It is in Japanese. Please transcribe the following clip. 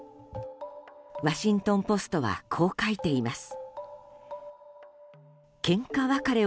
ワシントン・ポストはこう書いています。